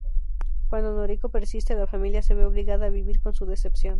Cuando Noriko persiste, la familia se ve obligada a vivir con su decepción.